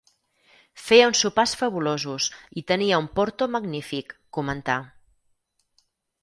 "Feia uns sopars fabulosos. I tenia un porto magnífic", comentà.